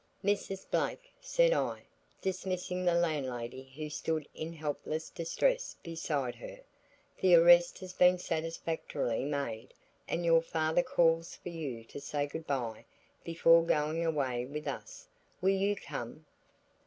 "Mrs. Blake," said I, dismissing the landlady who stood in helpless distress beside her, "the arrest has been satisfactorily made and your father calls for you to say good bye before going away with us. Will you come?"